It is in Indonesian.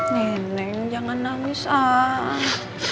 neneng jangan nangis ah